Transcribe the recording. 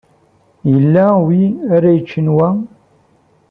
Yella wi ara yeččen wa?